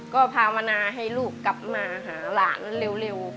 ก็พามนาให้ลูกกลับมาหาหลานเร็ว